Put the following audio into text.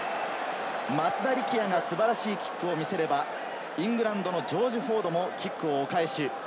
松田力也が素晴らしいキックを見せれば、イングランドのジョージ・フォードもキックをお返し。